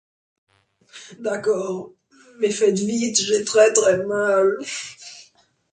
d'accord mais faites vite j'ai très très mal